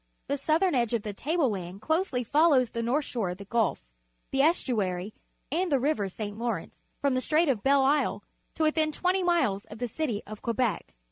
The_ QUEBEC 91 southern edge of the table land closely follows the north shore of the Gulf, the estuary, and the River St. Lawrence from the Strait of Belle Isle to within twenty miles of the city of Quebec.